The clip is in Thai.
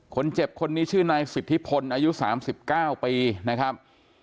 คนเจ็บคนนี้ชื่อนายสิทธิพลอายุ๓๙ปีนะครับ